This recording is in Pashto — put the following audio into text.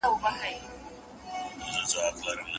پروردگار به تهمت گرو ته سزا ورکوي